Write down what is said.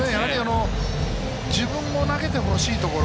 自分も投げてほしいところ